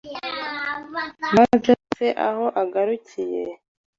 maze se aho agarukiye